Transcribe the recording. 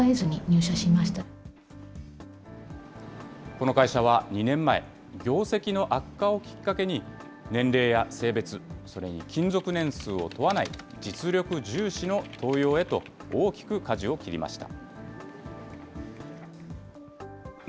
この会社は２年前、業績の悪化をきっかけに、年齢や性別、それに勤続年数を問わない、実力重視の登用へと大きくかじを切りました。